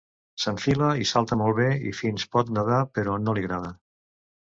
S'enfila i salta molt bé i fins pot nedar, però no li agrada.